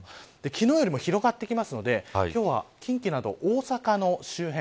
昨日よりも広がってきますので今日は近畿など大阪の周辺